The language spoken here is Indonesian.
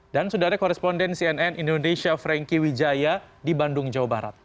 dan sudah ada koresponden cnn indonesia frankie wijaya di bandung jawa barat